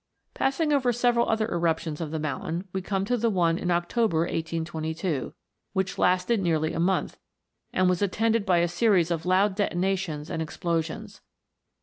Passing over several other eruptions of the mountain, we come to the one in October, 1822, which lasted nearly a month, and was attended by a series of loud detonations and explosions.